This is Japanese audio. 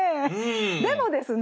でもですね